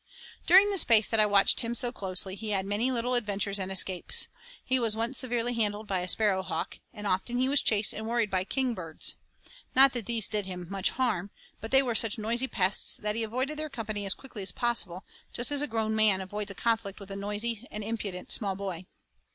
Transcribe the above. During the space that I watched him so closely he had many little adventures and escapes. He was once severely handled by a sparrowhawk, and often he was chased and worried by kingbirds. Not that these did him much harm, but they were such noisy pests that he avoided their company as quickly as possible, just as a grown man avoids a conflict with a noisy and impudent small boy.